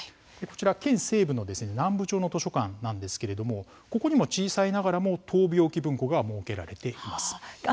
こちらは県西部、南部町の図書館なんですがここにも小さいながらも闘病記文庫が設けられています。